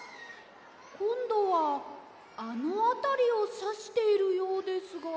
こんどはあのあたりをさしているようですが。